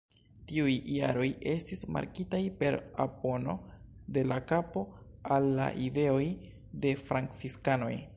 Tiuj jaroj estis markitaj per opono de la papo al la ideoj de franciskanoj.